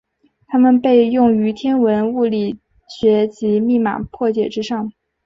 它们被用于天文物理学及密码破解之上。